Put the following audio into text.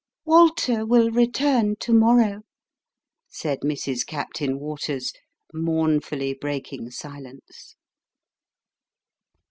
Walter will return to morrow," said Mrs. Captain Waters, mourn fully breaking silence.